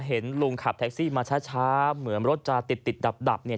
เห็นลุงขับแท็กซี่มาช้าเหมือนรถจะติดติดดับเนี่ย